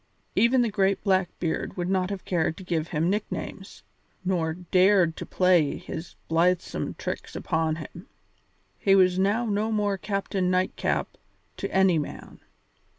Even the great Blackbeard would not have cared to give him nicknames, nor dared to play his blithesome tricks upon him; he was now no more Captain Nightcap to any man.